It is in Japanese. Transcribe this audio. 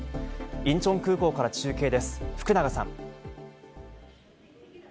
インチョン空港から中継です、福永さん。